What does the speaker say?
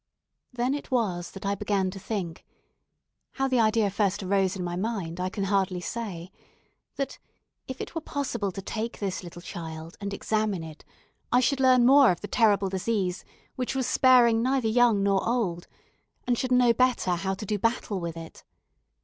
Then it was that I began to think how the idea first arose in my mind I can hardly say that, if it were possible to take this little child and examine it, I should learn more of the terrible disease which was sparing neither young nor old, and should know better how to do battle with it.